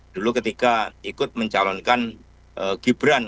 dulu ketika ikut mencalonkan gibran